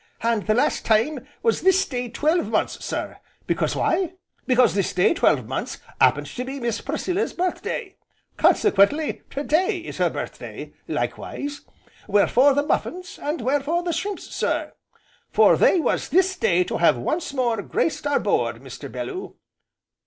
"And the last time was this day twelve months, sir, because why? because this day twelve months 'appened to be Miss Priscilla's birthday, consequently to day is her birthday, likewise, wherefore the muffins, and wherefore the shrimps, sir, for they was this day to have once more graced our board, Mr. Bellew."